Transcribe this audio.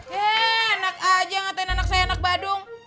hei enak aja ngatain anak saya anak bandung